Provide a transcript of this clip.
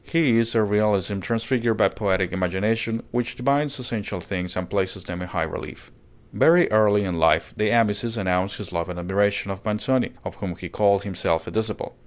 His is a realism transfigured by poetic imagination, which divines essential things and places them in high relief. Very early in life De Amicis announced his love and admiration of Manzoni, of whom he called himself a disciple.